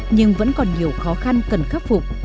nhưng vẫn còn nhiều khó khăn cần khắc phục